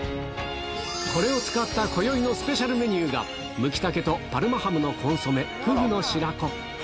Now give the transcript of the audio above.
これを使ったこよいのスペシャルメニューが、ムキタケとパルマハムのコンソメ河豚の白子。